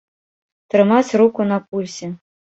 Трымаць руку на пульсе.